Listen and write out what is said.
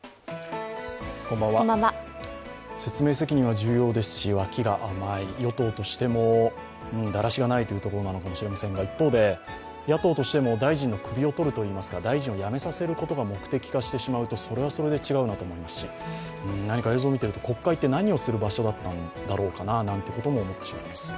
説明責任は重要ですし、脇が甘い与党としてもだらしがないというところかもしれませんが一方で、野党としても大臣の首をとるといいますか大臣を辞めさせることが目的化してしまうとそれはそれで違うなと思いますし、映像を見ていると国会って何をする場所だったんだろうかななんてことを思ってしまいます。